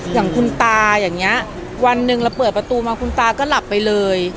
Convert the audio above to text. อย่างคุณตาอย่างนี้วันหนึ่งเราเปิดประตูมาคุณตาก็หลับไปเลย